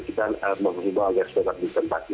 kita memperlukan agar tetap di tempatnya